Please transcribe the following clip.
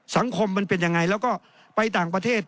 มันเป็นยังไงแล้วก็ไปต่างประเทศ